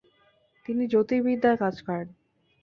তিনি জতিরবিদ্যার কাজ করেন।